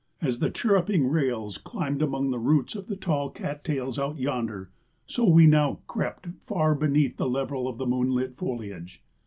As the chirruping rails climbed among the roots of the tall cat tails out yonder, so we now crept far beneath the level of the moonlit foliage.